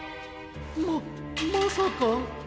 まっまさか。